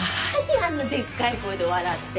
あんなデッカい声で笑って。